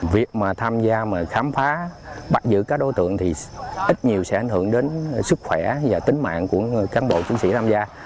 việc mà tham gia mà khám phá bắt giữ các đối tượng thì ít nhiều sẽ ảnh hưởng đến sức khỏe và tính mạng của cán bộ chiến sĩ tham gia